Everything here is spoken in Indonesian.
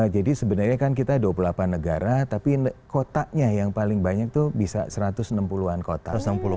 jadi sebenarnya kan kita dua puluh delapan negara tapi kotanya yang paling banyak tuh bisa satu ratus enam puluh an kotanya